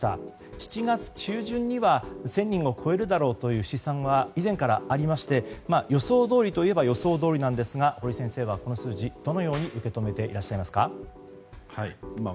７月中旬には１０００人を超えるだろうという試算は以前からありまして予想どおりといえば予想どおりですが堀先生はこの数字をどのように受け止めていらっしゃいますか。